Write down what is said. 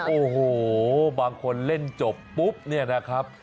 โอ้โหบางคนเล่นจบปุ๊บเนี่ยนะครับ